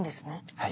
はい。